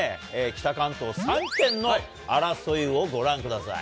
北関東３県の争いをご覧ください。